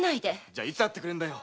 じゃいつ会ってくれるんだよ？